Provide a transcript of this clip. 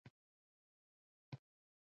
پیاله د هوسا ژوند نښه ده.